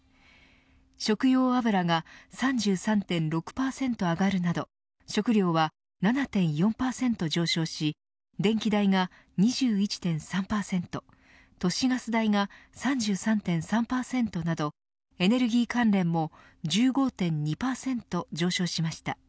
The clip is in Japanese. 食用油が３３．６％上がるなど食料は７．４％上昇し電気代が２１．３％都市ガス代が３３．３％などエネルギー関連も１５．２％上昇しました。